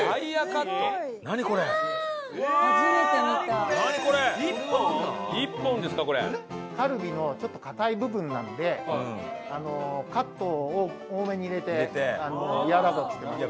カルビのちょっと硬い部分なのでカットを多めに入れてやわらかくしてます。